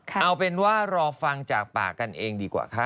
เอาเป็นว่ารอฟังจากปากกันเองดีกว่าค่ะ